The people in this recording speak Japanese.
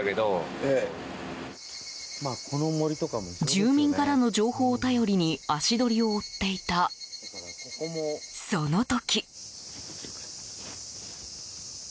住民からの情報を頼りに足取りを追っていた、その時。